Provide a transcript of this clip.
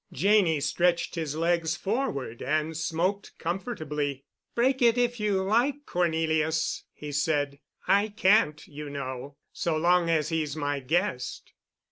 Janney stretched his legs forward and smoked comfortably. "Break it if you like, Cornelius," he said. "I can't, you know, so long as he's my guest."